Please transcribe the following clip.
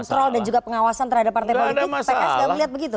kontrol dan juga pengawasan terhadap partai politik pks gak melihat begitu